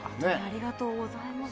ありがとうございます。